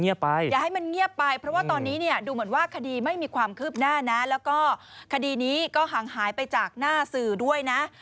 อย่าให้มันเงียบไปเพราะว่าตอนนี้เนี่ยดูเหมือนว่าคดีไม่มีความคืบหน้านะแล้วก็คดีนี้ก็ห่างหายไปจากหน้าสื่อด้วยนะ